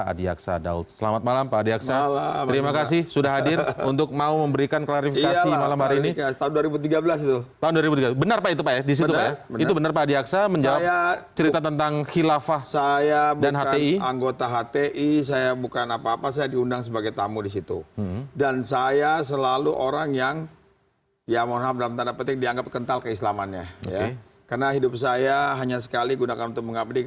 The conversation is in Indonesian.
adi aksa daud yang menjabat sebagai komisaris bank bri